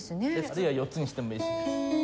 次は４つにしてもいいし。